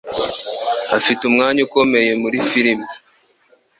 Afite umwanya ukomeye muri firime.